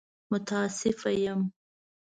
متاسفه يم!